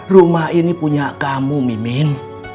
rumah ini punya kamu mimin